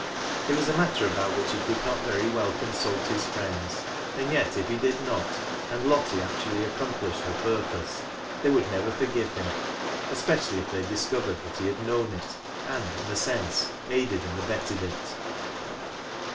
It was a matter about which he could not very well consult his friends, and yet if he did not, and Lottie actually accomplished her purpose, they would never forgive him, especially if they discovered that he had known it, and, in a sense, aided and abetted it.